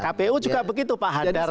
kpu juga begitu pak hadar